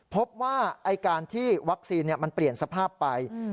พบว่าการที่วัคซีนมันเปลี่ยนสภาพไป